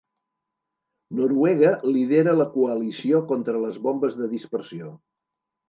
Noruega lidera la Coalició contra les Bombes de Dispersió.